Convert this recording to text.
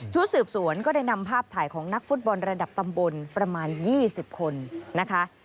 สืบสวนก็ได้นำภาพถ่ายของนักฟุตบอลระดับตำบลประมาณ๒๐คนนะคะ